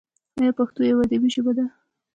آیا پښتو یوه ادبي ژبه نه ده؟